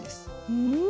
うん！